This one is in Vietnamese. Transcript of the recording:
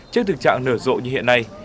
trước thực trạng nở rộ như hiện nay